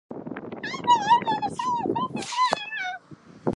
Hafner lives in the San Francisco Bay Area.